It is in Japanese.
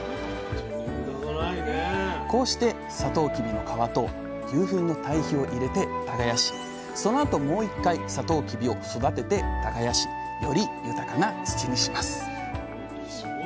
こうしてサトウキビの皮と牛ふんの堆肥を入れて耕しそのあともう１回サトウキビを育てて耕しより豊かな土にします。